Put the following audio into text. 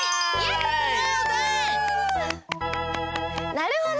なるほど！